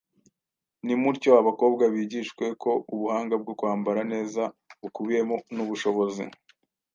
Nimutyo abakobwa bigishwe ko ubuhanga bwo kwambara neza bukubiyemo n’ubushobozi